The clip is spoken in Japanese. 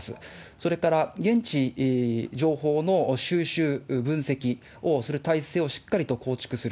それから現地情報の収集、分析をする体制をしっかりと構築する。